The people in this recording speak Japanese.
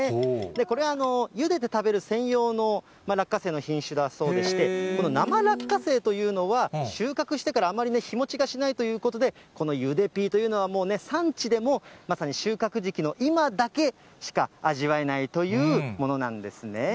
これは、ゆでで食べる専用の落花生の品種だそうでして、この生落花生というのは、収穫してからあまり日持ちがしないということで、このゆでピーというのは、もうね、産地でも、まさに収穫時期の今だけしか味わえないというものなんですね。